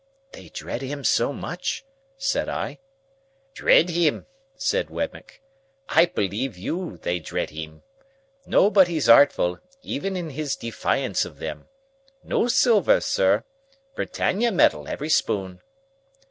"They dread him so much?" said I. "Dread him," said Wemmick. "I believe you they dread him. Not but what he's artful, even in his defiance of them. No silver, sir. Britannia metal, every spoon."